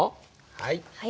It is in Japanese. はい。